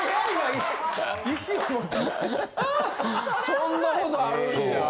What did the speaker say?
そんなことあるんや。